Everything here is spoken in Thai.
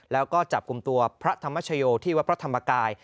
และก็จับกลุ่มตัวพระธรรมชโยที่วัตถามกาย